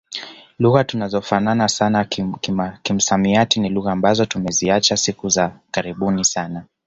Lugha tunazofanana sana kimsamiati ni lugha ambazo tumeziacha siku za karibuni sana